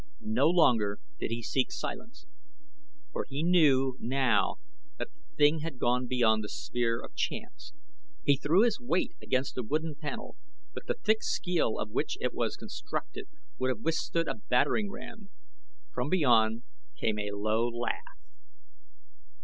No longer did he seek silence, for he knew now that the thing had gone beyond the sphere of chance. He threw his weight against the wooden panel; but the thick skeel of which it was constructed would have withstood a battering ram. From beyond came a low laugh.